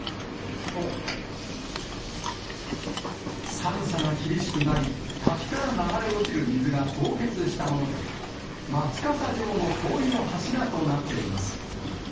寒さが厳しくなり、滝から流れ落ちる水が凍結したもので、マツカサ状の氷の柱となっています。